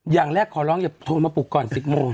อย่างแรกขอร้องอย่าโทรมาปลุกก่อน๑๐โมง